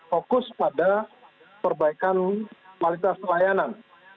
fokus pada perbaikan kualitas layanan